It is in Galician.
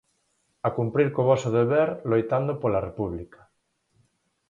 A cumprir co voso deber loitando pola república.